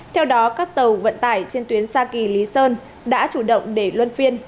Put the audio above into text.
theo đó các tàu vận tải trên tuyến xa kỳ lý sơn đã chủ động để luân phiên